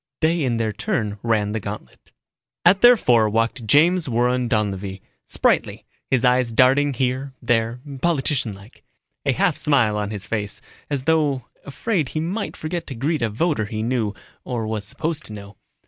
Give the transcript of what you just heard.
They in their turn ran the gantlet. At their fore walked James Warren Donlevy, spritely, his eyes darting here, there, politician like. A half smile on his face, as though afraid he might forget to greet a voter he knew, or was supposed to know.